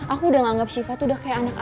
aku udah nganggep siva tuh udah kayak anak asli